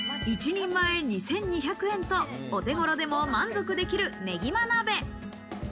一人前２２００円と、お手頃でも満足できる、ねぎま鍋。